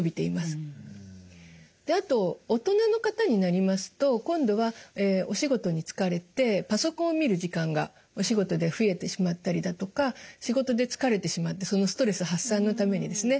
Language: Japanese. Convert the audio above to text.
であと大人の方になりますと今度はお仕事に就かれてパソコンを見る時間がお仕事で増えてしまったりだとか仕事で疲れてしまってそのストレス発散のためにですね